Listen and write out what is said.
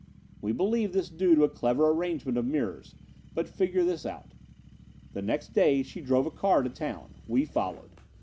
We believed this due to a clever arrangement of mirrors. But figure this out: "The next day she drove a car to town. We followed.